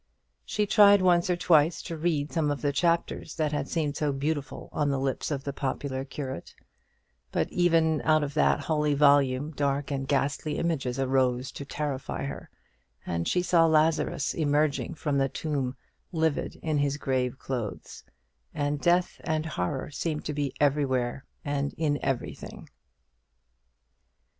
She tried once or twice to read some of the chapters that had seemed so beautiful on the lips of the popular curate; but even out of that holy volume dark and ghastly images arose to terrify her, and she saw Lazarus emerging from the tomb livid in his grave clothes: and death and horror seemed to be everywhere and in everything.